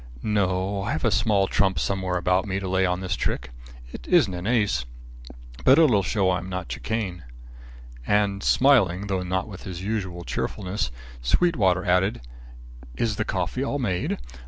No, I've a small trump somewhere about me to lay on this trick. It isn't an ace, but it'll show I'm not chicane." And smiling, though not with his usual cheerfulness, Sweetwater added, "Is the coffee all made?